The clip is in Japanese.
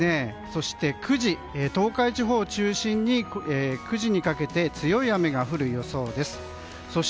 そして９時東海地方を中心に９時にかけて強い雨が降る予想です。